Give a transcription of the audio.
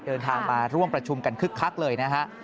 เดินทางมาร่วมประชุมกันคึกคักเลยนะฮะ